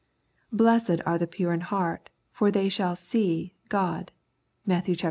Blessed are the pure in heart, for they shall see God" (Matt.